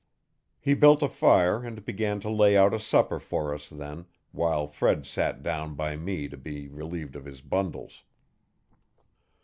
He built a fire and began to lay out a supper for us then, while Fred sat down by me to be relieved of his bundles.